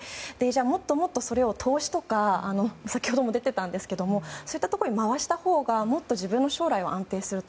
ってもっとそれを投資とか先ほども出ていましたがそういったところに回したほうがもっと自分の将来は安定する。